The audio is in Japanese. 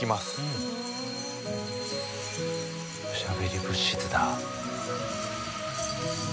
おしゃべり物質だ。